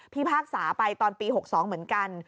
พากษาไปตอนปี๖๒เหมือนกัน